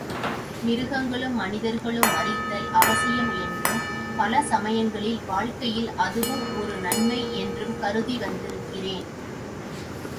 மிருகங்களும், மனிதர்களும் மரித்தல் அவசியம் என்றும், பல சமயங்களில் வாழ்க்கையில் அதுவும் ஒரு நன்மை என்றும் கருதி வந்திருக்கிறேன்.